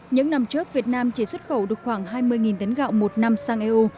những năm trước việt nam chỉ xuất khẩu được khoảng hai mươi tấn gạo một năm sang eu